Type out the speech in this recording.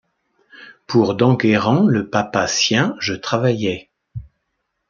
Pour d’Enguerrand le papa sien je travaillais.